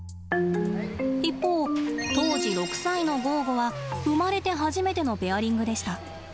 一方当時６歳のゴーゴは生まれて初めてのペアリングでした。